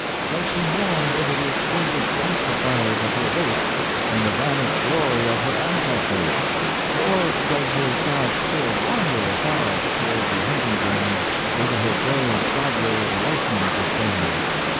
Does she mourn over the extinguished council fires of her race, and the vanished glory of her ancestors? Or does her sad spirit wander afar toward the hunting grounds whither her brave Gobbler of the Lightnings is gone?